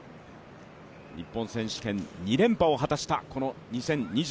日本選手権２連覇を果たしたこの２０２２年。